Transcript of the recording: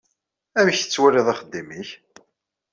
Amek tettwaliḍ axeddim-ik?